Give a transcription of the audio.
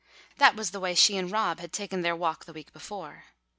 That was the way she and Rob had taken their walk the week before.